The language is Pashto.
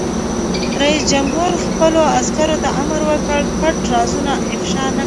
رئیس جمهور خپلو عسکرو ته امر وکړ؛ پټ رازونه افشا نه کړئ!